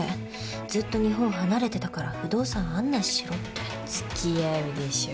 ずっと日本離れてたから不動産案内しろってつきあうでしょ